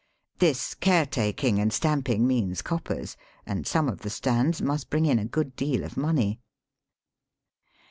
This care taking and stamping means coppers, and some of the stands must bring in a good deal of money.